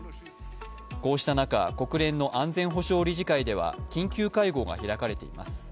こうした中、国連の安全保障理事会では緊急会合が開かれています。